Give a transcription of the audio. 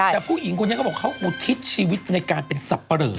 แต่ผู้อิงคนนี้ก็บอกเขาก็ทิศชีวิตในการเป็นสับปะเร